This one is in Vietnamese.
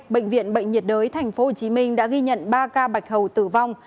bệnh viện bệnh nhiệt đới tp hcm đã ghi nhận ba ca bạch hầu tử vong